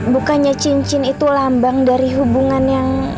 bukannya cincin itu lambang dari hubungan yang